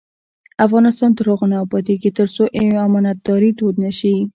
افغانستان تر هغو نه ابادیږي، ترڅو امانتداري دود نشي.